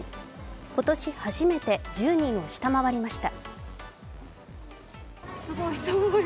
今年初めて１０人を下回りました。